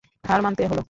হার মানতে হল।